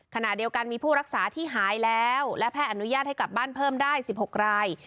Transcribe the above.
ขณะเดียวกันมีผู้รักษาที่หายแล้วและแพทย์อนุญาตให้กลับบ้านเพิ่มได้๑๖ราย